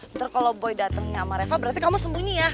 nanti kalau boy datangnya sama reva berarti kamu sembunyi ya